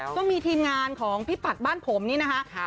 ก็มีทีมงานของพี่ปัดบ้านผมนี่นะคะ